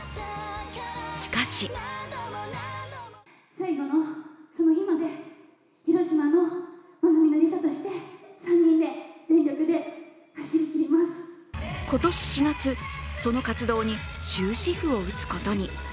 しかし今年４月、その活動に終止符を打つことに。